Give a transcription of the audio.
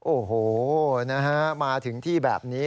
โอ้โหนะฮะมาถึงที่แบบนี้